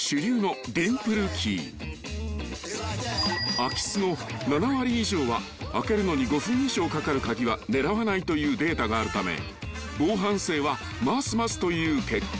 ［空き巣の７割以上は開けるのに５分以上かかる鍵は狙わないというデータがあるため防犯性はまずまずという結果］